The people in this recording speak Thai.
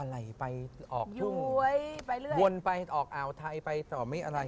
ไหลไปออกช่วงวนไปออกอ่าวไทยไปต่อไม่อะไร